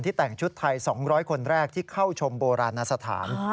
แต่งชุดไทย๒๐๐คนแรกที่เข้าชมโบราณสถาน